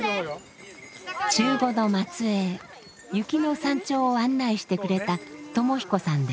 中語の末えい雪の山頂を案内してくれた知彦さんです。